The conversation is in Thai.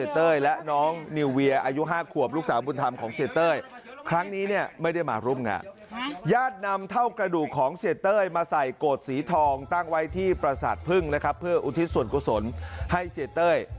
ที่ปราศาสตร์พึ่งนะครับเพื่ออุทิศส่วนกุศลให้เศรษฐ์เต้ย